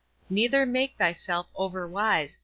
Neither make, thyself overwise.